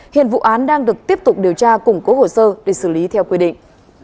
hiện vụ án đang được tiếp tục điều tra củng cố hồ sơ để xử lý theo quy định